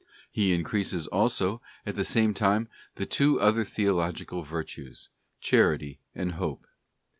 He increases also at the same time the two other theological virtues, Charity and Hope.